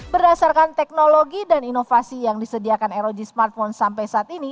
berdasarkan teknologi dan inovasi yang disediakan rog smartphone sampai saat ini